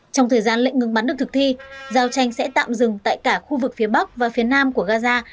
trong thời gian lệnh ngừng bắn được thực thi giao tranh sẽ tạm dừng tại cả khu vực phía bắc và phía nam của gaza